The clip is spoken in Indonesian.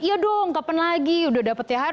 iya dong kapan lagi sudah dapat thr